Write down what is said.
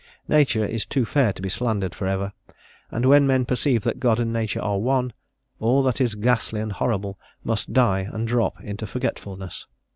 Nature is too fair to be slandered for ever, and when men perceive that God and Nature are One, all that is ghastly and horrible must die and drop into forgetfulness.